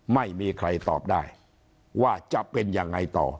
ไม่มีใครตอบได้ว่าจะเป็นยังไงต่อ